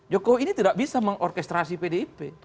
jokowi ini tidak bisa mengorkestrasi pdip